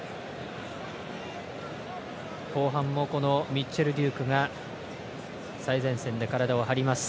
後半もミッチェル・デュークが最前線で体を張ります。